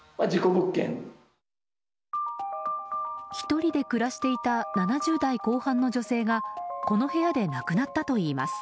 １人で暮らしていた７０代後半の女性がこの部屋で亡くなったといいます。